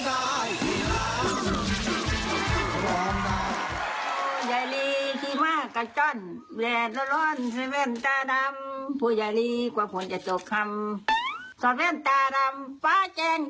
โหทำไม